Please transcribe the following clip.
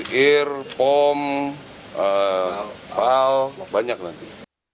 ya dari ir pom pal banyak nanti